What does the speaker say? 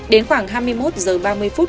đến khoảng hai mươi một h ba mươi phút